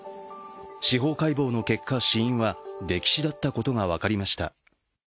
司法解剖の結果、死因は溺死だったことが分かりました。